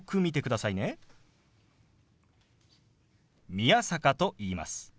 宮坂と言います。